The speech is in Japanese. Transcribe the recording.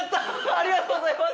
ありがとうございます。